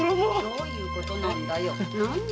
どういうことだよ。